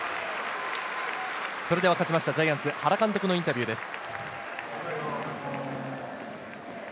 勝ちました、ジャイアンツ・原監督のインタビューです。